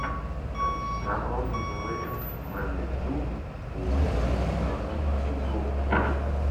Ass-a ur neẓri ma ad neddu d umaynut neɣ ad neqqim d uqbur.